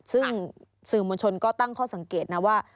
ซึ่งสื่อมวลชนก็ตั้งข้อสังเกตนะว่า